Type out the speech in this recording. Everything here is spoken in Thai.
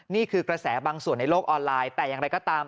นี่คือกระแสบางส่วนในโลกออนไลน์แต่อย่างไรก็ตาม